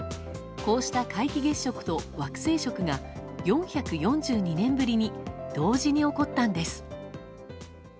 こうした皆既月食と惑星食が４４２年ぶりに同時に起こったんです。